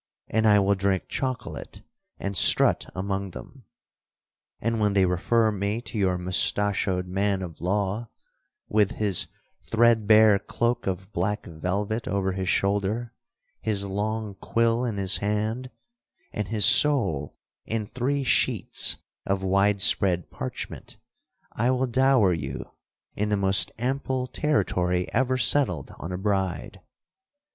And I will drink chocolate, and strut among them; and when they refer me to your mustachoed man of law, with his thread bare cloke of black velvet over his shoulder, his long quill in his hand, and his soul in three sheets of wide spread parchment, I will dower you in the most ample territory ever settled on a bride.'